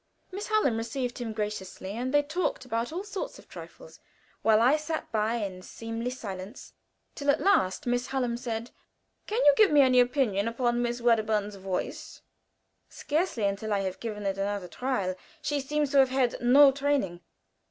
Miss Hallam received him graciously, and they talked about all sorts of trifles, while I sat by in seemly silence, till at last Miss Hallam said: "Can you give me any opinion upon Miss Wedderburn's voice?" "Scarcely, until I have given it another trial. She seems to have had no training."